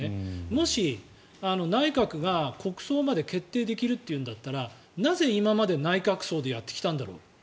もし、内閣が国葬まで決定できるっていうんだったらなぜ、今まで内閣葬でやってきたんだろう。